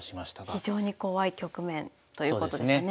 非常に怖い局面ということですね。